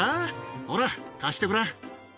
ほら、貸してごらん。